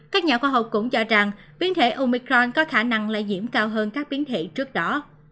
các nhà khoa học cũng cho rằng biến thể omicron có khả năng lây nhiễm cao hơn các biến thể trước đó